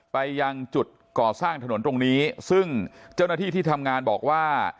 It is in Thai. ไปยังจุดก่อสร้างถนนตรงนี้ซึ่งเจ้าหน้าที่ที่ทำงานบอกว่า